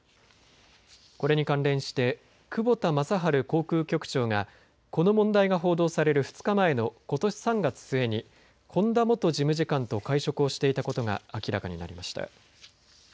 これに関連して久保田雅晴航空局長がこの問題が報道される２日前のことし３月末に本田元事務次官と会食をしていたことが明らかになりました。